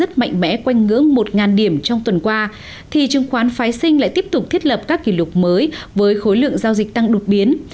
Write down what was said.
khi thị trường chứng khoán việt nam cơ sở đang rung lắc rất mạnh mẽ quanh ngưỡng một điểm trong tuần qua thị trường chứng khoán phái sinh lại tiếp tục thiết lập các kỷ lục mới với khối lượng giao dịch tăng đột biến